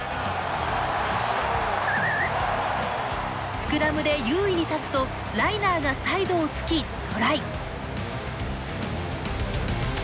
スクラムで優位に立つとライナーがサイドをつき、トライ。